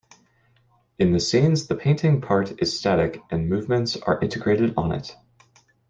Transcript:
In the scenes the painting part is static and movements are integrated on it.